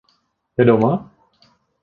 Je doma?